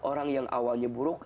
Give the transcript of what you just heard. orang yang awalnya buruk